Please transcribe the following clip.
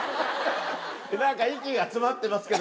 なんか、息が詰まってますけど。